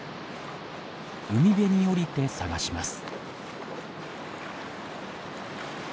海辺に下りて探します。